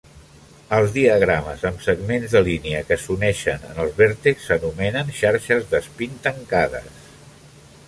Els diagrames amb segments de línia que s'uneixen en els vèrtexs s'anomenen "xarxes d'espín tancades".